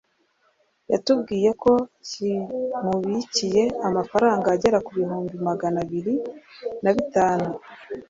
yatubwiye ko kimubikiye amafaranga agera ku bihumbi Magana abiri na bitanu